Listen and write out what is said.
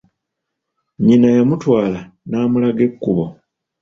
Nnyina yamutwala n'amulaga ekkubo.